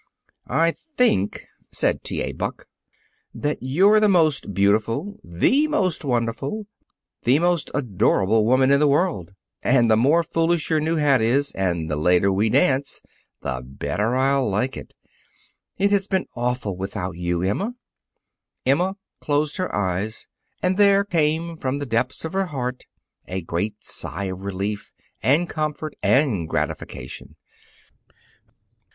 "I think," said T. A. Buck, "that you're the most beautiful, the most wonderful, the most adorable woman in the world, and the more foolish your new hat is and the later we dance the better I'll like it. It has been awful without you, Emma." Emma closed her eyes and there came from the depths of her heart a great sigh of relief, and comfort and gratification.